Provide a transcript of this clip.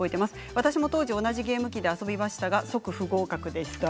私も当時、同じゲーム機で遊びましたが不合格でした。